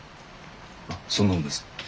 そんなもんです。